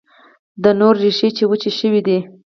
د نور، ریښې یې وچي شوي دي